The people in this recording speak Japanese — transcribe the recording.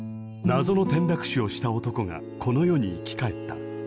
謎の転落死をした男がこの世に生き返った。